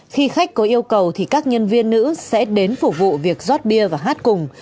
khi khách có yêu cầu thì các nhân viên nữ sẽ đến phục vụ việc rót bia và hát cùng